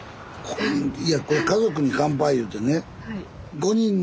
いやこれ「家族に乾杯」いうてね